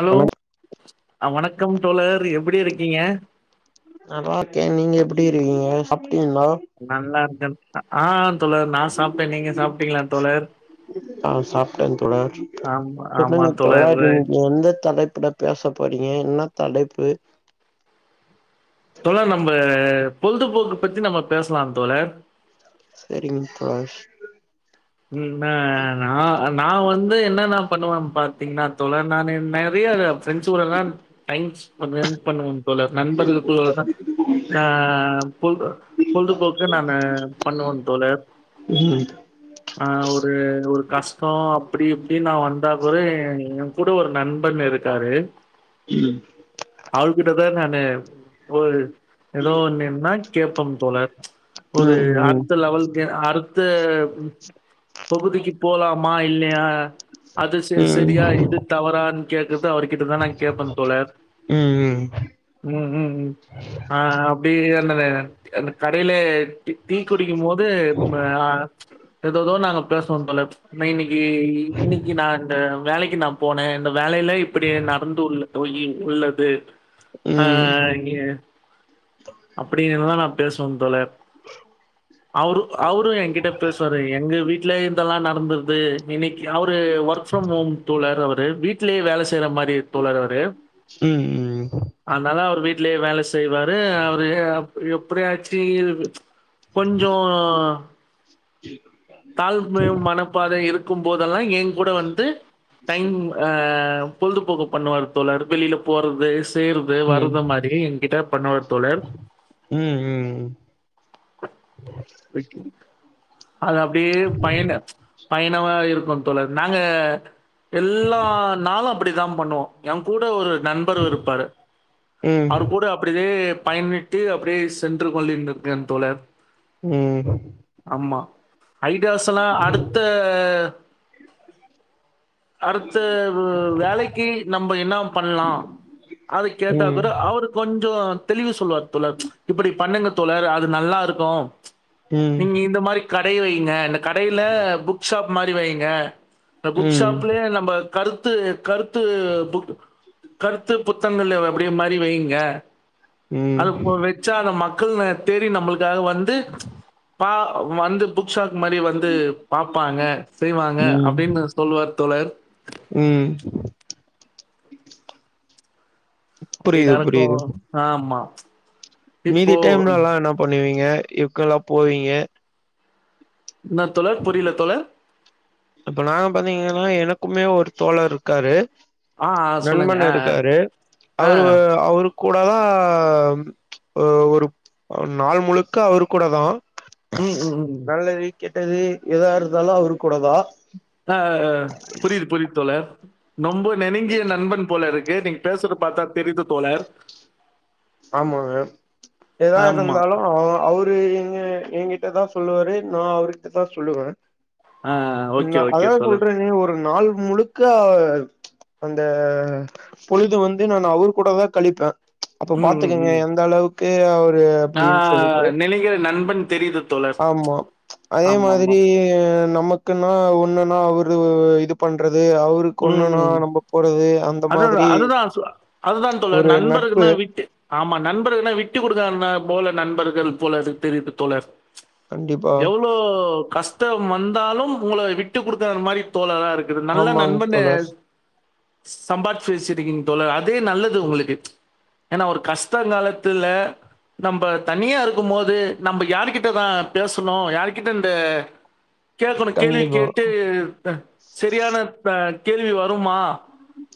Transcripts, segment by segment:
Allow வணக் அ வணக்கம் தோழர் எப்டி இருக்கீங்க நல்லா இருக்கே நீங்க எப்படி இருக்கீங்க சாப் நல்லா அந்த அ ஆ தோழர் நா சாப்ட்டே நீங்க சாப்ட்டீங்களா தோழர் ஆ சாப்ட்டே தோழர் ஆமா ஆமா சொல்லுங்க தோழர் இன்னைக்கு எந்த தலைப் ட பேச போறீங்க என்ன தலைப்பு தோழர் நம்ம பொழுதுபோக்கு பத்தி நம்ம பேசலா தோழர் சரிங்க பிரகாஷ் ம் நா நா நா வந்து என்னனா பண்ணுவே பாத்தீங்கன்னா தோழர் நா நெறையா ப்ரண்ட்ஸ் கூடல்லா டைம் ஸ்பென்ட் பண்ணுவே தோழர் நண்பர்களோட தா நா பொழுது பொழுதுபோக்கு நா பண்ணுவ தோழர் ம் ம் ஆஹ் ஒரு ஒரு கஷ்ட அப்டி இப்டின்னு நா வந்தா கூட ஏ கூட ஒரு நண்பன் இருக்காரு அவர்கிட்டதா நானு ஒரு ஏதோ ஒண்ணுன்னா கேப்ப தோழர் ஒரு ம் அடுத்த லெவல் எ அடுத்து பகுதிக்கு போலாமா இல்லையா அது ச ம் ம் சரியா இது தவறான்னு கேக்குறது அவர் கிட்ட தா நா கேப்பே தோழர் ம் ம் ம் ம் அ அப்டி என்னன அந்த கடையிலே டி டீ குடிக்கும் போது நா இதோ நாங்க பேசுவோ தோழர் நா இன்னிக்கு இன்னிக்கு நா இந்த வேலைக்கு நா போனே இந்த வேலையில்ல இப்படி நடந்து உள்ள தொயி உள்ளது ம் ம் ம் அஹ் இங்கே அப்படின்னுதா நா பேசுவே தோழர் அவரு அவரு எங்கிட்ட பேசுவாரு எங்க வீட்லயே இரு இதல்லா நடந்துது இன்னிக்கி அவ்ரு ஒர்க் ஃப்ரம் ஹோம் தோழர் அவ்ரு வீட்டு ட்லே வேல செ செய்ற மாரி தோழர் அவ்ரு அத்னால அவ்ரு வீட்லே வேல செய்வாரு க எப்டியாச்சு இது கொஞ்சோ தாழ்மு மனப்பாத இருக்கும்போதல்லா ஏ கூட வந்து டைம் அ பொழுதுபோக்கு பண்ணுவாரு தோழர் வெளியில போறது து செய்றது வரது மாரி என்கிட்ட பண்ணுவார் தோழர் ம் ம் அது அப்டியே பயன பயணவ இருக் போ தோழர் நாங்க எல்லா நாளு ப்புடி தா பண்ணுவோ எ கூட ஒரு நண்பரு இருப்பாரு ம் அவர் கூட அப்டிதே பயன்னிட்டு அப்டே சென்று கொண்டிருக்கன் தோழர் ம் ஆமா ஐடியாஸ் எல்லா அடுத்த அடுத்த வேலக்கு நம்ப என்னா பண்லா அத கேட்டா ம் பிரு அவுரு கொஞ்சோ தெளிவுஸ் தோழர் தோழர் இப்பிடி பண்ணுங்க தோழர் அது நல்லா இருக்கோ ம் ம் நீங்க இந்த மாரி கடை வைங்க இல் கடையில புக் ஷாப் ந்த மாரி வைங்க அந்த புக் ம் ஷாப்லே நம்ப கருத்து கருத்து புக் கருத்து புத்தங்கள் அப்டியே மாரி வைங்க அது ம் போல் வச்சா அத மக் க்கு [unintelligible] தேடி நம்முளுக் ஏதாவது வந்து பா வந்து புக் க் ஷாப் மாரி வந்து பாப்பாங்க செய்வாங்க ம் ம் அப்டின்னு சொல்லுவாரு தோழர் ம் ப்டி புரியுது நடக்கு புரியுது ஆம்மா மீதி டைம்லலா என்னாப் பண்ணுவீங் ஏ எக்கலா போவீங்க ன்னா தோழர் புரில தோழர் இப்ப நாங்க பாத்தீங்கனா எனக்குமே ஒரு தோழர் இருக்காரு ஆ, ஆ சொல்லுங்க. நண்பன் ஆ, ஆ. இருக்காரு ஆ. அவுரு வ அவுருக் கூடதா ஒ ஒரு நாள் முழுக்க அவரு கூட தா ம், ம், ம். நல்ல வீக்கெ டது எதா இருந்தாலு அவுரு கூடதா அ அ அ புரிது புரிது தோழர் நொம்ப நெனுங்கிய நண்பன் போல இருக்கு நீங்க பேசுற பாத்தா தெரிது தோழர் ஆம்மாங்க எதா ஆமா. இருந்தாலு அ அவ்ரு எங்க ஏங்கிட்டதா சொல்லுவார் ரு நா அவுர்ட்ட தா சொல்லுவ ஆ ஓகே, நா ஓகே அதான் தோழர். சொல்றேன்னே ஒரு நாள் முழுக்க அந்த பொழுது வந்து நானு அவுரு கூட தா கழிப்பே அப்போ ம், ம், பாத்துக்குங்க ம். எந்த அளவுக் க்கே அவு ரு ஆ அப்டின் சொல்ட்டு நெருங்கிய நண்பன் தெரியுது தோழர். ஆம்மா அதே ஆமாமா. மாதிரி நமக்குன்னா ஒன்னுன்னா அவுரு ம் இது பண்ற து அவருக்கு ஒண்ணுன்னா ம். நம்ப போறது அந்த அதான் மாதிரி அதுதான் சொ ஒரு நட்பு ஆம்மா நண்பர்கன்னா விட்டு குடுக்கானா போல நண்பர்கள் போலத் எனக் தெரிது தோழர் கண்டிப்பா. எவ்ளோ கஷ் டம் வந்தாலும் உங்கள விட்டு குடுக்காத மாரி தோழரா இருக் குறது நல்ல ஆமாங்க நண்பன் மே தோழர். சம்பாரிச்சு வச்சிருக்கீங்க தோழர் அ அதே நல்லது உங்களுக்கு ஏன்னா ஒரு கஷ்ட காலத்துல நம்ப தனியா இருக்கும் போது நம்ப யாருகிட்ட தான் பேசணும் யாருகிட்ட இந்த கேட்கணும் கேள்வி கண்டிப்பா. கேட்டு செரியான ஆ கேள்வி வருமா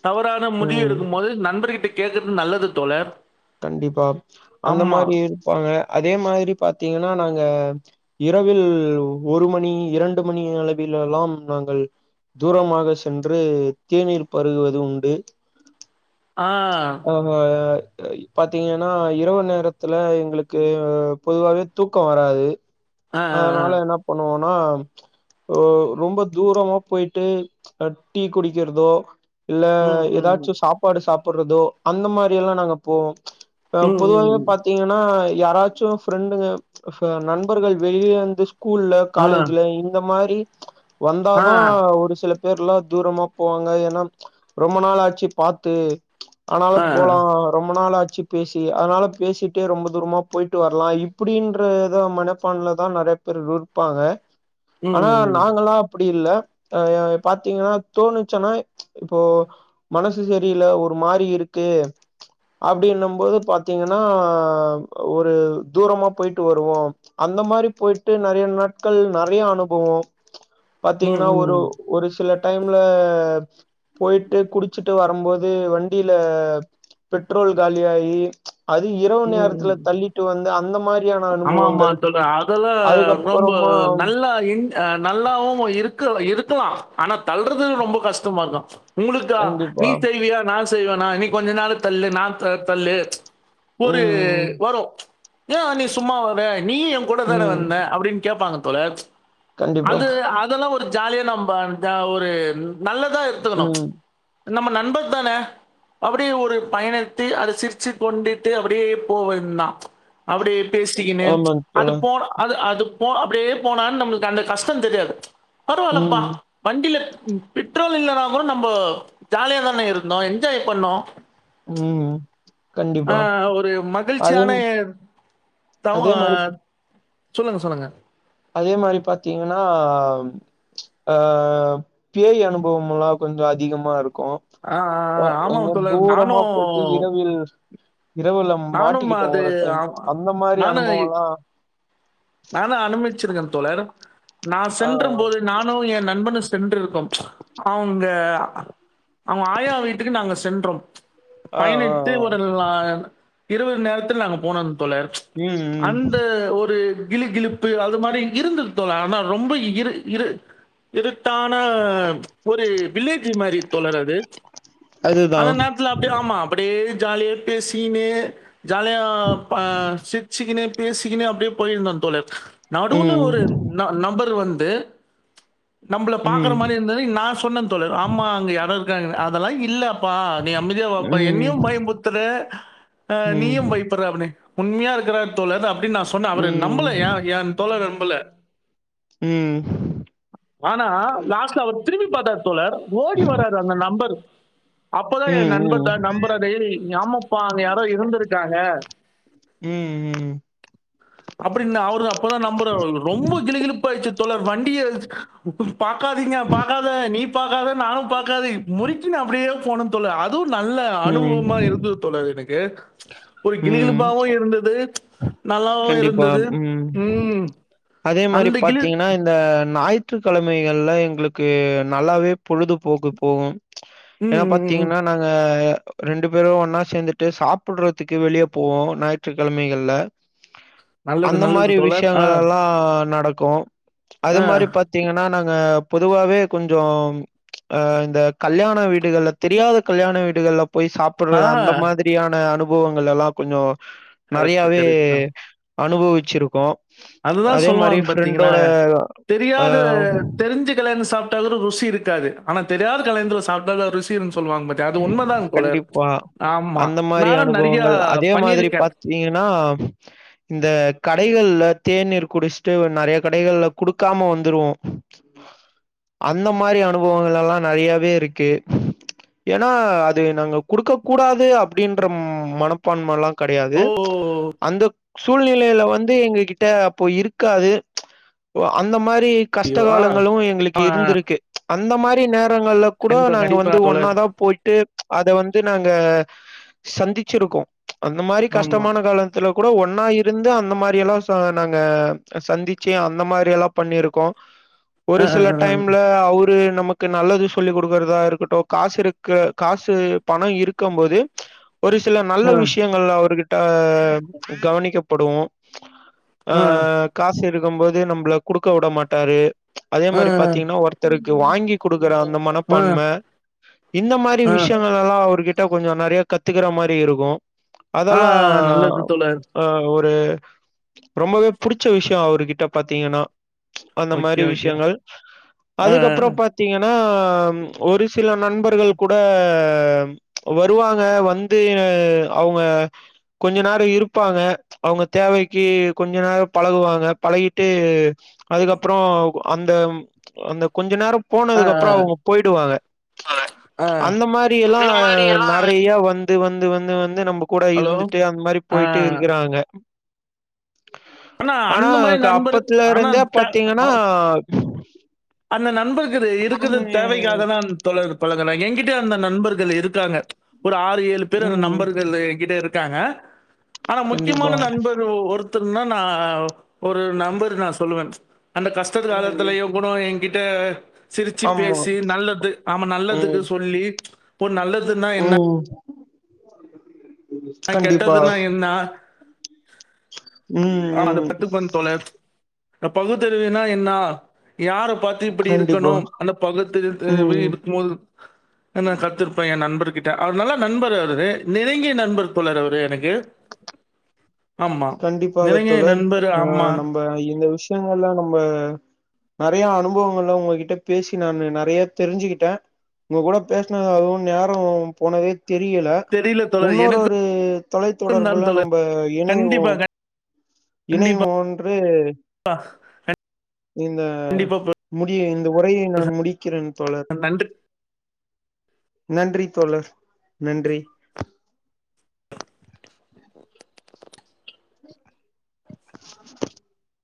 தவறான முடிவு ம். இருக்கும் போது நண்பர்கிட்ட கேக்குறது நல்லது தோழர் கண்டிப்பா அந்த ஆமா மாதிரி இருப்பாங்க அதே மாதிரி பாத்தீங்கன்னா நாங்க இரவில் ஒரு மணி இரண்டு மணி அளவிலெல்லாம் நாங்கள் தூரமாக சென்று தேநீர் பருகுவது உண்டு ஆ ஓஹ பாத்தீங்கன்னா இரவு நேரத்துல எங்களுக்கு பொதுவாவே தூக்கம் வராது ஆ நால என்ன பண்ணுவோ ன ரொம்ப தூரமா போயிட்டு டீ குடிக்கிறதோ இல்ல ம் ஏதாச்சு சாப்பாடு சாப் போடுறதோ அந்த மாரி எல்லாம் நாங்க ம் ம் போவோ ம் பொதுவாக ம். பாத்தீங்கன்னா யாராச்சும் பிரண்டுக நண்பர்கள் வெளியே வந்து ஸ்கூல்ல ஆ காலேஜ்ல இந்த மாரி ஆ வந்தாதா ஒரு சில பேர் எலாம் தூரமா போவாங்க ஏன்னா ரொம்ப நாள் ஆச்சு பாத்து ஆ ஆனாலும் ஆ. போலாம் நாளாச்சு பேசி அதனால பேசிட்டே ரொம்ப தூரமா போயிட்டு வரலாம் இப்படின்ற இத மனப்பான்ல தான் நிறைய பேர் ப்பாங்க ம் ஆனா ம் நாங்கல்லாம் அப் அப்படி இல்ல ஆ பாத்தீங்கன்னா தோணுச்சன்னா இப்போ மனசு சரியில ஒரு மாரி இருக்கு அப்படினும்போது பாத்தீங்கன்னா ஆ ஒரு தூரமா போயிட்டு வருவோம் அந்த மாரி போயிட்டு நிறைய நாட்கள் நிறைய அனுபவம் பாத்தீங்கன்னா ம் ஒரு ம் ஒரு சில டைம்ல போயிட்டு குடிச்சுட்டு வரும்போது வண்டியில பெட்ரோல் காலி ஆயி ம் ம் அந்த மாரியான ஆமா ஆமா அனுபவங்கள் தோழா அதெல்லா ரொம்ப அதுக்கப்புறமா நல்லா நல்லாவும் இருக்க இருக்கு [unintelligible] ஆனா தள்றது ரொம்ப கஷ்டமா இருக்கும் உங்களுக்கா நீ கண்டிப்பா செய்வியா நான் செய் செய்வே நா இனி கொஞ்ச நாள் தள்ளு நான் தள்ளு ஒரு ம் வார ஏ நீ சும்மா வர நீயும் என் கூட தானே ம் வந்த அப்படின்னு கேப்பாங்க [unintelligible] கண்டிப்பா. அது அதெல்லா ஒரு ஜாலியா நம்ம ஒரு நல்லதா எடுத்துக்கணு ம். நம்ம நண்பர் தான அப்படியே ஒரு பயனடுத்தி அத சிரிச்சி கொண்டு ட்டு அப்படியே போவன்னா ச் அப்படியே பேசிகினு ஆமாங்க அது தோழா. போன அது அது போ அப்படியே போனாலு நம்மளுக்கு அந்த கஷ்ட தெரியாது பருவாலப்பா ம். வண்டில பெட்ரோல் இல்லனா கூட நம்ப ஜாலியா தான இருந்தோ என்ஜாய் பண்ணோ ம் ஆ கண்டிப்பா. ஒரு அதே மகிழ்ச்சியான [unintelligible] அதே மாரி சொல்லுங்க சொல்லுங்க அதே மாரி பாத்தீங்கன்னா அ பேய் அனுபவமெல்லா கொஞ்ச அதிகமா இருக் ஆ, கூ ஆ, எங்க ஆமாம் தோழர். தூரமா போய்ட்டு நானும் இரவில் இரவுல நானும் மாட்டிக்கிட்டோ அது ஒரு டைம் ஆமா. அந்த மாரி நானு அனுபவல்லா நானும் அனுபவிச்சிருக்கேன் தோழர் நான் சென்று போது நானும் என் நண்பனு சென்றிரு போம் ப்ச் அவு ங்க அ அவுங்க ஆயா வீட்டுக்கு நாங்க சென்றோம் ஆ, ஆ, பயணித்து ஆ. ஒரு ல இரவு நேரத்துல நாங்க போனொன் தோழர் ம், ம். அந்த ஒரு கிலு கிலுப்பு அது மாரி இருந்துது தோழா ஆனா ரொம்ப இரு இரு இரு ட்டான ஒரு வில்லேஜ் மாரி தோழர் அது அந்த அதுதான். நேரத்துல அப்டியா ஆமா அப்டி ஜாலியா பேசிகினு ஜாலியா ப சிச்சிகினு பேசிகினு அப்டியே போயிருந்தோ தோழர் நடுவுல ம். ஒரு ந நம்பர் வந் ட்டு நம்பள பாக்ற மாரி ம். இருந்தது நான் சொன்னேன் தோழர் ஆமா அங்க யாரோ இருக் காங்கத அதல்லா இல்லப் ப்பா நீ அமைதியா வாப்பா ம். என்னியும் பயம்புத்துற அ ம். நீயும் பயப்பற்ற அப்ன்னே உண்மையா இருக்கிறார் தோழர் அப்பி ன்னு நான் சொன்ன ம். அவுரு ம். நம்பளயா என் தோழர்ன் ப்புள ம், ஆனா லாஸ்ட்ல அவர் திரும்பி பாத்தார் தோழர் ஓடி வறாரு அந்த நம்பர் அப்பதா எ ம். நண்பர்ட்ட நம்பரதே ஏமாத் ப்பா அங்க யாரோ இருந்திருக்காங்க உம் உம் அப்டினு அவரு அப்பதா நம்பரு ரொம்ப கிழுகிழுப்பா ஆயிட்ச்சு தோழர் வண்டிய ப் பாக்காதீங்க பாக்காத நீ பாக்காத நானு பாக்காதே முறிக்கினு அப்படியேப் போனோ தோழர் அதுவு நல்ல அனுபவமா இருந்தது ம். தோழர் எனக் ஏக் ஒரு ம். கிழுகிழுப்பாவு இருந்தது நல்லாவும் கண்டிப்பா இருந்தது உம் ம் அதே மாரி அந்த கிளி பாத்தீங்கன்னா இந்த நாய் ற்றுக்கெழமைகள்ல எங்களுக்கு நல்லாவே பொழுதுபோக்கு போகும் ம், ஏனா ம் ம். பாத்திங்கன்னா நாங்க ரெண்டு பேரு ஒன்னா சேந்துட்டு சாப்புட்டுறதுக்கு வெளிய போவோ நாய்ற்றுக்கெழமைகள்ல நல்லது அந்த நல்லது மாரி தோழர் ஆ விஷ்யங்கள் எல்லா நடக்கு அது ஆ மாரி பாத்திங்கன்னா நாங்கப் பொதுவாவே கொஞ்சோம் அ இந்த கல்யாண வீடுகள்ல தெரியாத கல்யாண வீடுகள்ல போய் சாப்புட்ற ஆ அந்த மாதிரியான அனுப் புவங்க எல்லா கொஞ்சோ கரெட்டு கரெட் தா அனுபவிச்சிருக்கோ அதுதா சொல்லுவாங் பாத்தீங்களா அ தெரியாத தெரிஞ்ச கல்யாண சாப் ட்டா கூட ருசி இருக்காது ஆனா தெரியாத கல்யாணத்துல சாப்பிட்டாகா ருசி இருந்து கண்டிப்பா ஆமா அந்த மாரி நானும் நிறைய அனுபவங்கள் அதே மாதிரி பண்ணியிருக்கேன் பாத்தீங்கன்னா இந்த கடைகள்ல தேநீர் குடிச்சுட்டு நறைய கடைகள்ல குடுக்காம வந்துருவோ அந்த மாரி அனுபவங்கள்ல்லா நெறையாவே இருக்கு ஏனா அது நாங்க குடுக்க கூடாது அப்டின்ற ம் மனப்பான்மல்லா கடையாது ஓ அந்தப் சூழ்நிலையில வந்து எங்ககிட்ட அப்போ இருக்காது உ அந்த மா ரி கஷ்ட ஐயோ ஆ காலங்களு எங்களுக்கு ஆ, இருந்திருக்கு அந்த மாரி நே ரங்கள்ல கூட கண்டிப்பா நாங்க கண்டிப்பா வந்து ஒன்னா தோழர் தா ட்டு அத வந்து நாங்க சந்திச்சிருக்கோ அந்த மாரி ஆமா கஷ்டமான காலத்துல கூட ஒன்னா இருந்து அந்த மாரி எல்லா ச நாங்க சந்திச்சு அந்த மாரி எல்லா பண்ணியிருக்கோ ஆ, ஒரு ஆ, சில டைம்ல அவு ரு நமக்கு நல்லது சொல்லிக் குடுக்கறதா இருக்கட்டு காஸ் இருக் க்கு காசு பணோ இருக்கம் போது ச் ஒரு சில நல்ல ஆ, ஆ, விஷ்யங்கள் அவர்கிட்ட கவனிக்க படுவோ ச் ஆ காசு இரு க்கம் போது நம்ள குடுக்க விட மாட்டாரு அதே ஆ, மாரி பாத்தீங்கன்னா ஒருத்தருக்கு வாங்கி குடுக்குற அந்த ஆ, மனப்பான்ம இந்த மாரி ஆ, விஷ்யங்களல்லா அவர்கி ட்ட கொஞ்சோ நெறைய கத்துக்குற மாரி இருக்கு ஆ, அதல்லா நல்லது தோழர் ஆ ஒ ரு ரொம்பவே புடுச்ச விஷ்யோ அவர்கிட்ட பாத்தீங்கன்னா அந்த ஓகே மாரி ஓகே விஷ்யங்கள் ஆ அதுக்கப்றோ பாத்தீங்கன் னா ஒரு சில நண்ப ர்கள் கூட வருவாங்க வந்து அவுங்க கொஞ்ச நேரோ இருப்பாங்க அவுங்க தேவைக்கு கொஞ்ச நேரோ பழகுவாங்க பழகிட்டு அதுக்கப்றோ அந்த அந்த கொஞ்ச நேரோ ஆ போனதுக்கு அப்றோ அவுங்க போய்டுவாங்க ஆ அந்த மாரியல்லா அந்த மாதிரி எல்லாம் நெறையா வந் து வந்து வந்து வந் து நம்ம கூட ஹலோ இருந்துட்டு அந்த மாரி போய்ட்டு இருக்குறாங்க ஆனா அந்த மாதிரி கா நண்பருக்கு ஆனா அப்பத்லருந்தே த- பாத்தீங்கன்னா ஆ, அந்த நண்பருக்கு இருக்குற நாங்க தேவைக்காக தான் தோழர் பழகுன ஏ கிட்ட அந்த நண் பர்கள் இருக்காங்க ஒரு ஆறு ஏழு பேரு அந்த ம். நம்பர்கள் என்கிட்ட இருக் இருக்காங்க ஆனா கண்டிப்பா. முக்கியமான நண்பர் ஒர் தர்னா நா ஒரு நம்பர் நா சொல்லுவன் ச் அந்த கஷ்டத்து ம். ம். காலத்துலயு கூடோ என் கிட்ட சிரிச்சு ஆமா. பேசி நல்லது ஆமா நல்லதுக்கு ம். சொல்லி ச் இப்போ நல்லது ம் ஆ கண்டிப்பா கெட்டதுன்னா என்ன [inaudible] ம் ஆ அந்த ம் பத்துப்ப தோழர் இந் பகுத்தறிவினா என்னா யார பாத்து இப்பிடி கண்டிப்பா இருக்கணு அந்த பக்கத்தறிவு த வெ [unintelligible] ம் இருக்கும்போது நா கத்துப்பே எ நண்பர் கிட் அவர் நல்லா நண்பர் அவரு நெருங்கிய நண்பர் தோழர் அவரு எனக்கு ஆமா வாக நெருங்கிய தோழர் நண்பர் ஆ ஆமா. நம்ப இந்த விஷ் திங்கெல்லா நம்ப நெறையா அனுபவங்கள்லா உங்ககிட்ட பேசி நானு நெறையா தெரிஞ்சிக்கிட்ட ஒங்க கூட பேசினது அதுவு நேரோ போனதே தெரியல தெரியல தோழர். இன்னொரு எனக்கும் ஒரு தான் தொலைத்தொடர்புல தோழர். நம்ப இணைய ஓ கண்டிப்பா, இணைய கண்டிப்பா, ஒன்று இந்த கண்டிப்பா. முடிய இந் த ஒரையை நான் முடிக்கிறன் ந நன்று நன்றி தோழர் நன்றி ஆ